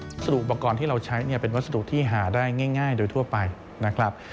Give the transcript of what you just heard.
สดุอุปกรณ์ที่เราใช้เนี่ยเป็นวัสดุที่หาได้ง่ายโดยทั่วไปนะครับ